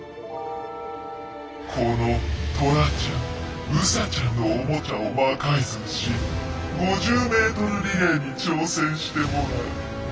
このトラちゃんウサちゃんのオモチャを魔改造し５０ｍリレーに挑戦してもらう。